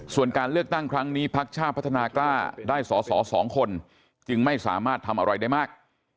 ส่วนการเลือกตั้งครั้งนี้พักชาติพัฒนากล้าได้สอสอ๒คนจึงไม่สามารถทำอะไรได้มาก